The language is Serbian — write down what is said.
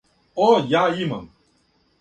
О, ја имам.